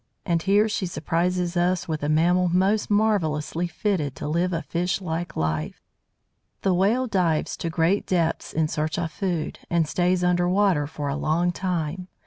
And here she surprises us with a mammal most marvellously fitted to live a fish like life. The Whale dives to great depths in search of food, and stays under water for a long time.